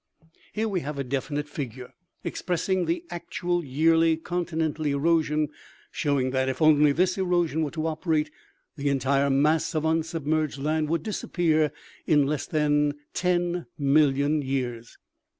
" Here we have a definite figure, expressing the actual yearly continental erosion, showing that, if only this erosion were to operate, the entire mass of unsubmerged land would disappear in less than 10,000,000 years.